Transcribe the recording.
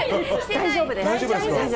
大丈夫ですか？